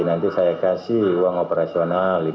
nanti saya kasih uang operasional